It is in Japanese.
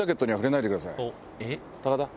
高田。